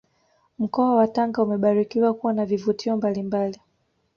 Mkoa wa Tanga umebarikiwa kuwa na vivutio mbalimbali